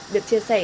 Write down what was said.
được chia sẻ